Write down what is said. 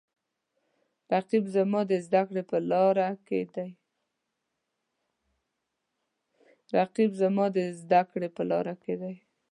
رقیب زما د زده کړې په لاره کې دی